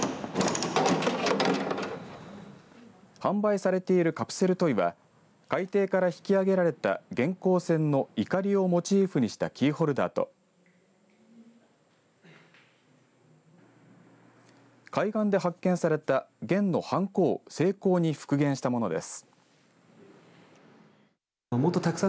販売されているカプセルトイは海底から引き揚げられた元寇船のいかりをモチーフにしたキーホルダーと海岸で発見された元のはんこを精巧に復元したものです。